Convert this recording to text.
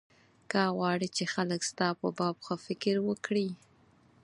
که غواړې چې خلک ستا په باب ښه فکر وکړي.